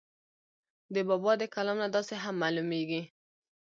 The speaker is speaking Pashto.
د بابا دَکلام نه داسې هم معلوميږي